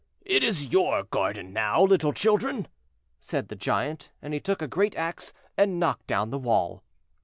"It is your garden now, little children," said the Giant, and he took a great axe and knocked down the wall.